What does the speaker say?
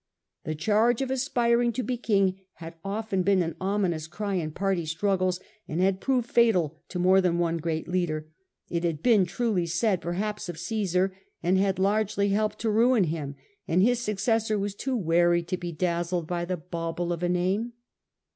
The charge of aspiring to be king had often been an ominous cry in party struggles, and had proved fatal to more than one great leader; it had been truly said perhaps of Caesar, and had largely helped to ruin him, and his successor was too wary to be dazzled by the bauble of a name.